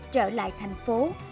trở lại thành phố hồ chí minh